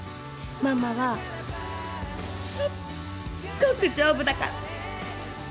ママはすっごく丈夫だから。